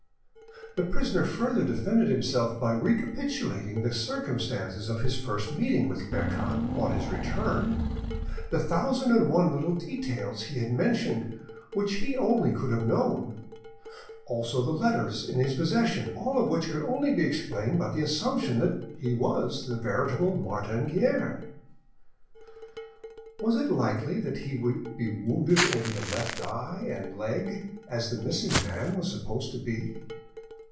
The prisoner further defended himself by recapitulating the circumstances of his first meeting with Bertrande, on his return, the thousand and one little details he had mentioned which he only could have known, also the letters in his possession, all of which could only be explained by the assumption that he was the veritable Martin Guerre. Was it likely that he would be wounded over the left eye and leg as the missing man was supposed to be?